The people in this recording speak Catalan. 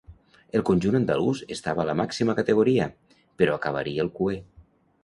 El conjunt andalús estava a la màxima categoria, però acabaria el cuer.